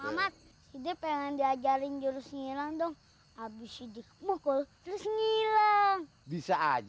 oh begitu pengen diajarin jurus ngilang dong abis dikukul terus ngilang bisa aja